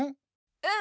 うん！